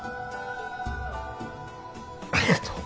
ありがとう。